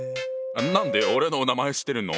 何で俺の名前知ってるの？